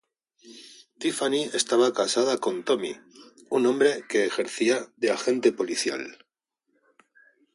Tiffany estaba casada con Tommy, un hombre que ejercía de agente policial.